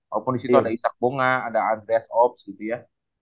walaupun disitu ada ishak bunga ada andreas ops gitu ya